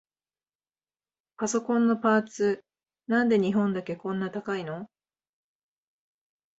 パソコンのパーツ、なんで日本だけこんな高いの？